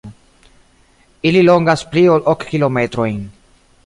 Ili longas pli ol ok kilometrojn.